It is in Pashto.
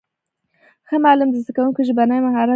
ښه معلم د زدهکوونکو ژبنی مهارت لوړوي.